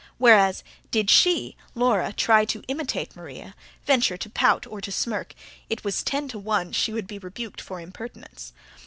Whereas, did she, Laura, try to imitate Maria, venture to pout or to smirk, it was ten to one she would be rebuked for impertinence.